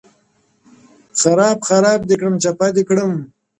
• خراب خراب دي کړم چپه دي کړمه..